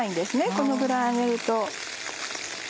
このぐらい揚げると。